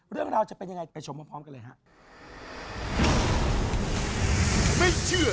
เรื่องราวจะเป็นยังไงไปชมพร้อมกันเลยครับ